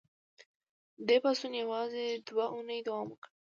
دې پاڅون یوازې دوه اونۍ دوام وکړ.